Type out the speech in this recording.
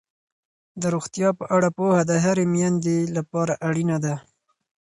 د روغتیا په اړه پوهه د هرې میندې لپاره اړینه ده.